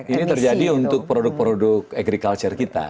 ini terjadi untuk produk produk agriculture kita